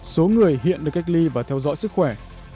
số người hiện được cách ly và theo dõi sức khỏe